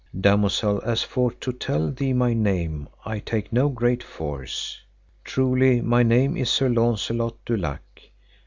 Damosel, as for to tell thee my name I take no great force; truly my name is Sir Launcelot du Lake.